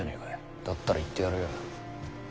だったら言ってやるよ。